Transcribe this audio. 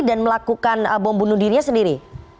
dan melakukan bom bunuh dirinya sendiri